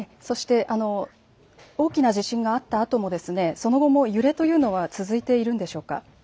大きな地震があったあともその後も揺れというのは続いているんでしょうか。